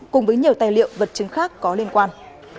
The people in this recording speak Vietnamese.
cùng với nhiều tài liệu vật chứng khác có liên quan